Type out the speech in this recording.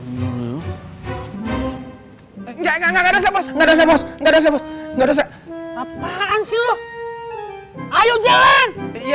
enggak enggak enggak enggak enggak enggak enggak apaan sih lu ayo jalan